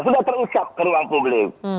sudah terucap ke ruang publik